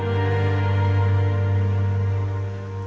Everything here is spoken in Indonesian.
dia juga bisa menerima penyakit hemofilia